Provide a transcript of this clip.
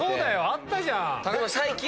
あったじゃん。